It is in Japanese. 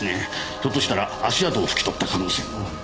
ひょっとしたら足跡を拭き取った可能性も。